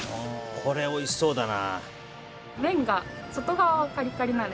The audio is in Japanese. これ美味しそうだな。